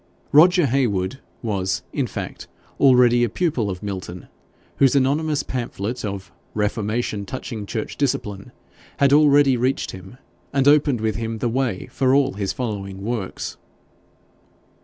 Roger Heywood was, in fact, already a pupil of Milton, whose anonymous pamphlet of 'Reformation touching Church Discipline' had already reached him, and opened with him the way for all his following works.